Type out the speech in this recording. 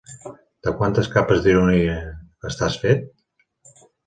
De quantes capes d'ironia estàs fet?